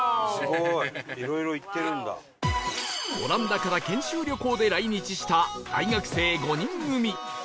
オランダから研修旅行で来日した大学生５人組